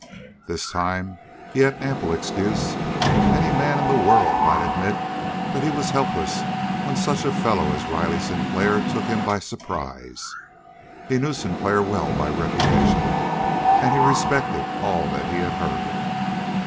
This time he had ample excuse. Any man in the world might admit that he was helpless when such a fellow as Riley Sinclair took him by surprise. He knew Sinclair well by reputation, and he respected all that he had heard.